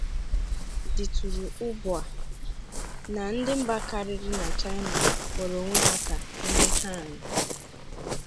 Dítúrú ubwá, ndi mbà kárírí na China kpòrò onwé ha kà "Ndi Han".